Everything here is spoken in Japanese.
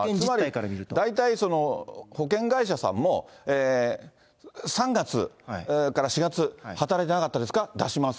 大体保険会社さんも、３月から４月、働いていなかったですか、出します。